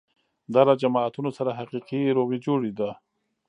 دا له جماعتونو سره حقیقي روغې جوړې ده.